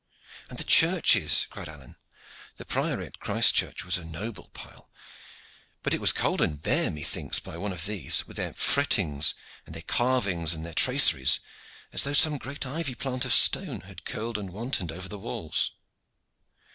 "And the churches!" cried Alleyne. "The Priory at Christchurch was a noble pile, but it was cold and bare, methinks, by one of these, with their frettings, and their carvings, and their traceries, as though some great ivy plant of stone had curled and wantoned over the walls."